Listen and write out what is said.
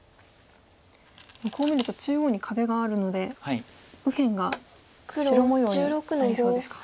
こう見ると中央に壁があるので右辺が白模様になりそうですか。